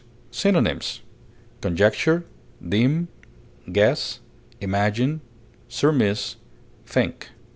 Synonyms: conjecture, deem, guess, imagine, surmise, think.